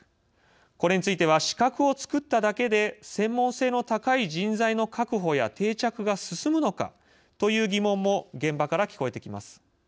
これについては「資格を作っただけで専門性の高い人材の確保や定着が進むのか？」という疑問も現場から聞こえてきます。